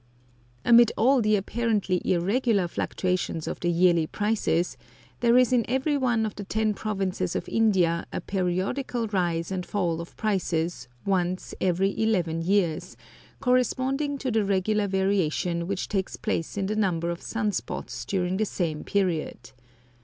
Amid all the apparently irregular fluctuations of the yearly prices, there is in every one of the ten provinces of India a periodical rise and fall of prices once every eleven years, corresponding to the regular variation which takes place in the number of sun spots during the same period.